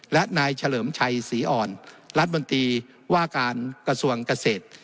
และนายเฉลิมชัยศรีอ่อนรัฐมนตรีว่าการกระทรวงเกษตร